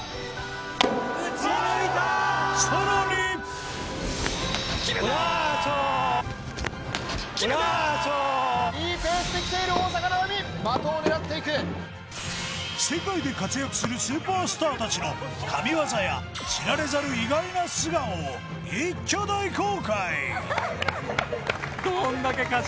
打ち抜いたさらに決めた決めたいいペースできている大坂なおみ的を狙っていく世界で活躍するスーパースターたちの神業や知られざる意外な素顔を一挙大公開！